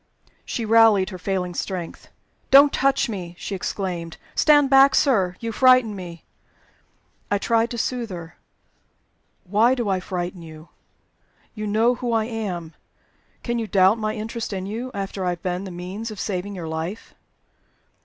She rallied her failing strength. "Don't touch me!" she exclaimed. "Stand back, sir. You frighten me." I tried to soothe her. "Why do I frighten you? You know who I am. Can you doubt my interest in you, after I have been the means of saving your life?"